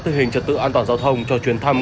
tình hình trật tự an toàn giao thông cho chuyến thăm